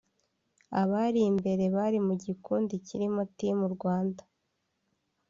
Abari imbere bari mu gikundi kirimo Team Rwanda